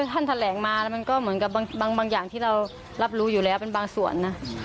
ท่านแถลงมาแล้วมันก็เหมือนกับบางอย่างที่เรารับรู้อยู่แล้วเป็นบางส่วนนะ